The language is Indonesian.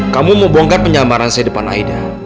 kamu mau bongkar penyamaran saya depan aida